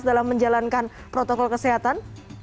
dalam menjalankan protokol kesehatan